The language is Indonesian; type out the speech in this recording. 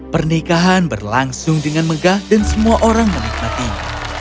pernikahan berlangsung dengan megah dan semua orang menikmatinya